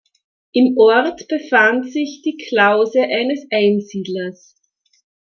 Im Ort befand sich die Klause eines Einsiedlers.